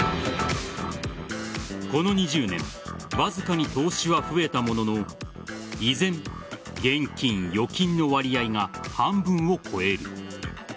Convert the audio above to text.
この２０年わずかに投資は増えたものの依然、現金・預金の割合が半分を超える。